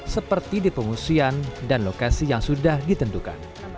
seperti di pengungsian dan lokasi yang sudah ditentukan